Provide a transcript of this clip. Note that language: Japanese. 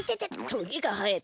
トゲがはえてる。